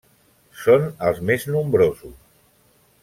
Són els més nombrosos.